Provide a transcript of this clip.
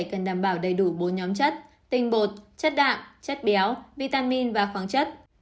chất béo vitamin và khoáng chất